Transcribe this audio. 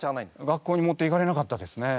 学校に持っていかれなかったですね。